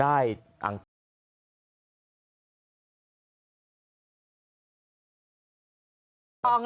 ใส่ที่ซอง